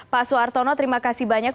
pak suhartono terima kasih banyak